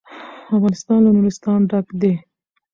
افغانستان له نورستان ډک دی.